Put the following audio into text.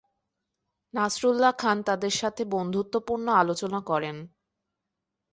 নাসরুল্লাহ খান তাদের সাথে বন্ধুত্বপূর্ণ আলোচনা করেন।